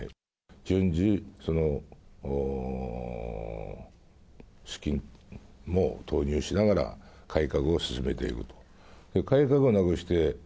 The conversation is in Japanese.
順次、資金も投入しながら改革を進めていくと。